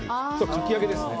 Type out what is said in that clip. かき揚げですね。